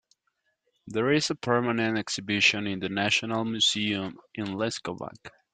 There is a permanent exhibition in the national museum in Leskovac.